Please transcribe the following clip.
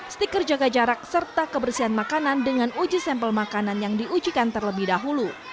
stiker jaga jarak serta kebersihan makanan dengan uji sampel makanan yang diujikan terlebih dahulu